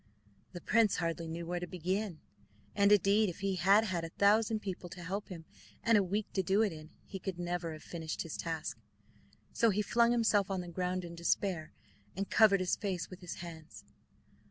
The prince hardly knew where to begin, and indeed if he had had a thousand people to help him, and a week to do it in, he could never have finished his task. So he flung himself on the ground in despair, and covered his face with his hands.